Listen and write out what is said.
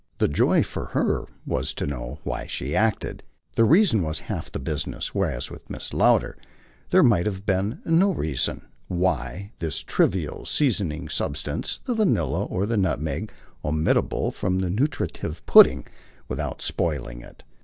The joy, for her, was to know why she acted the reason was half the business; whereas with Mrs. Lowder there might have been no reason: "why" was the trivial seasoning substance, the vanilla or the nutmeg, omittable from the nutritive pudding without spoiling it.